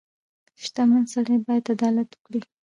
• شتمن سړی باید عدالت وکړي.